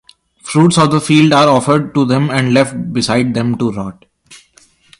Fruits of the field are offered to them and left beside them to rot.